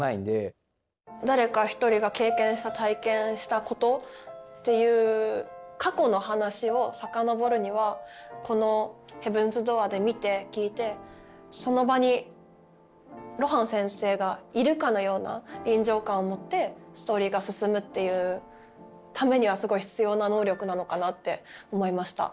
誰か一人が経験した体験したことっていう過去の話を遡るにはこの「ヘブンズ・ドアー」で見て聞いてその場に露伴先生がいるかのような臨場感を持ってストーリーが進むっていうためにはすごい必要な「能力」なのかなって思いました。